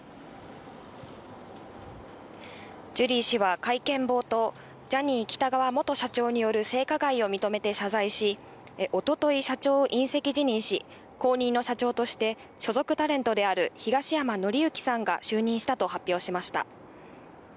ジュリー氏は会見冒頭、ジャニー喜多川元社長による性加害を認めて謝罪し、おととい、社長を引責辞任し、後任の社長として所属タレントである東山紀之さんが就任したと発表しました。